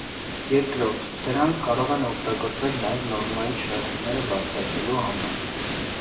Երկրորդ, դրանք կարող են օգտագործվել նաև նորմայից շեղումները բացահայտելու համար։